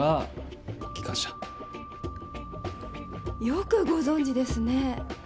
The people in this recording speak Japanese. よくご存じですね。